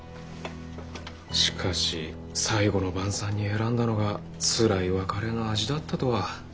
しかし最後の晩餐に選んだのがつらい別れの味だったとは。